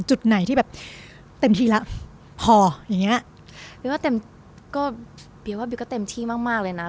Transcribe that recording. จุดไหนที่แบบเต็มที่แล้วพออย่างเงี้ยบีว่าเต็มก็บีว่าบิวก็เต็มที่มากมากเลยนะ